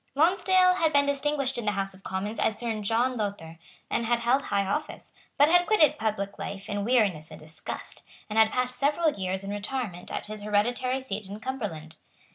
Lonsdale had been distinguished in the House of Commons as Sir John Lowther, and had held high office, but had quitted public life in weariness and disgust, and had passed several years in retirement at his hereditary seat in Cumberland.